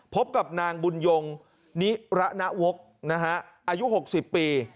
พบกับนางบุญยงนิรณวกนะฮะอายุ๖๐ปี